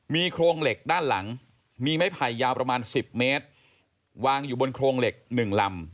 มีโครงเหล็กด้านหลังมีไม้ไผ่ยาวประมาณ๑๐เมตรวางอยู่บนโครงเหล็ก๑ลำ